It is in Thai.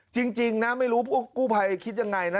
จริงนะไม่รู้กู้ภัยคิดยังไงนะ